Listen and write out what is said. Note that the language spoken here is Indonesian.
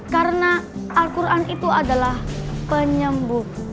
karena al quran itu adalah penyembuh